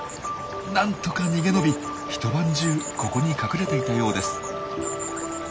なんとか逃げ延び一晩中ここに隠れていたようです。